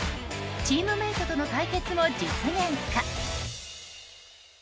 チームメートとの対決も実現か。